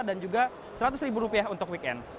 dan juga seratus ribu rupiah untuk weekend